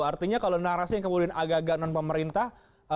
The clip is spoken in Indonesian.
artinya kalau narasi yang kemudian agak agak non pemerintah